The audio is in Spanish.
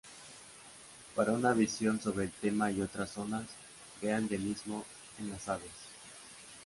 Para una visión sobre el tema y otras zonas vea endemismo en las aves.